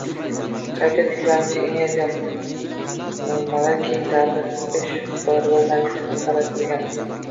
qayta tiklanuvchi energiya manbalarini keng targ‘ib qilish va rivojlantirishga qaratilgan